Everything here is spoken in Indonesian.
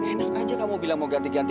enak aja kamu bilang mau ganti ganti